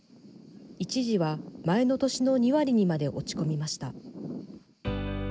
一時は、前の年の２割にまで落ち込みました。